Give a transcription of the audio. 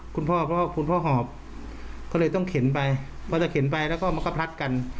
คุณพ่อก็คุณพ่อหอบก็เลยต้องเข็นไปพอจะเข็นไปแล้วก็มันก็พลัดกัน